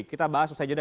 kita bahas usai jeda